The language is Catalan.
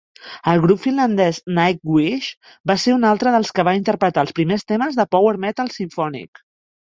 El grup finlandès Nightwish va ser un altre dels que va interpretar els primers temes de power metal simfònic.